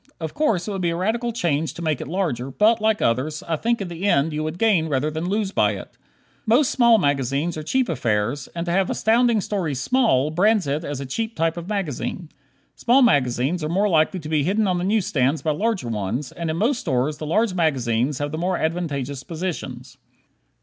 Of course, it would be a radical change to make it larger, but, like others, I think in the end you would gain rather than lose by it. Most small magazines are cheap affairs, and to have Astounding Stories small brands it as a cheap type of magazine. Small magazines are more likely to be hidden on the newsstands by larger ones, and in most stores the large magazines have the more advantageous positions.